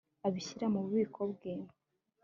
abishyira mu bubiko bwe